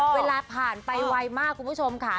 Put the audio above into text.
เวลาผ่านไปไวมากคุณผู้ชมค่ะ